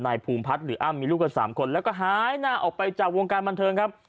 ภูมิพัฒน์หรืออ้ำมีลูกกัน๓คนแล้วก็หายหน้าออกไปจากวงการบันเทิงครับ